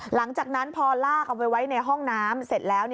หลังจากนั้นพอลากเอาไว้ในห้องน้ำเสร็จแล้ว